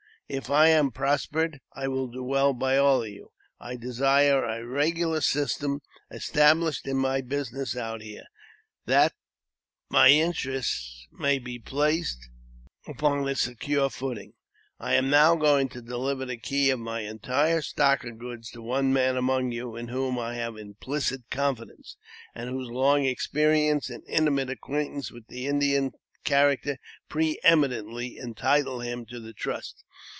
If I am prospered, I will do well by all of you. I desire a regular system established in my business out here, that my interests may be placed upon a secure footing. I am now going to deliver the key of my entire stock of goods to one man amoni you, in whom I have implicit confidence, and whose long ex perience and intimate acquaintance with the Indian character pre eminently entitle him to the trust.